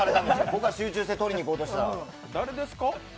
僕が集中して取りに行こうとしたら。